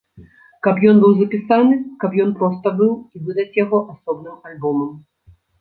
Каб ён быў запісаны, каб ён проста быў, і выдаць яго асобным альбомам.